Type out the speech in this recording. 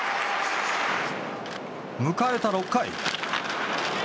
迎えた６回。